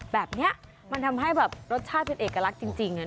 แบบเนี้ยมันทำให้รสชาติเป็นเอกลักษณ์จริงเนี่ย